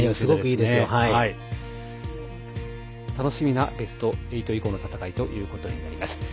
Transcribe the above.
楽しみなベスト８以降の戦いとなります。